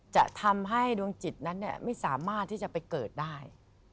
จะทำให้ดวงจิตนั้นไม่สามารถที่จะไปเกิดได้